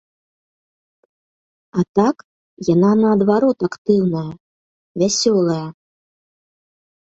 А так, яна наадварот актыўная, вясёлая.